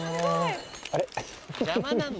あれ？